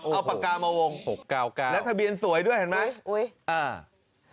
เอาปากกามาวง๖๙๙แล้วทะเบียนสวยด้วยเห็นไหมอุ้ยอ่า